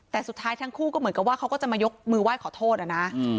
แต่สุดท้ายทั้งคู่ก็เหมือนกับว่าเขาก็จะมายกมือไหว้ขอโทษนะ